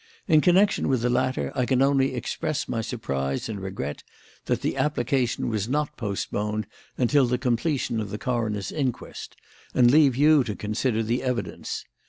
In connection with the latter I can only express my surprise and regret that the application was not postponed until the completion of the coroner's inquest, and leave you to consider the evidence.